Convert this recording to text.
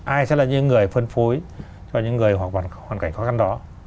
ai sẽ là những người phân phối cho những người hoặc hoàn cảnh khó khăn đó